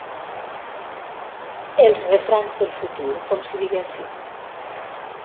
Els refranys del futur, com si diguéssim.